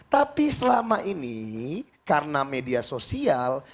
tapi selama ini karena media sosial